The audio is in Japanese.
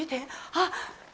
あっ！